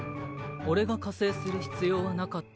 俺が加勢する必要はなかった。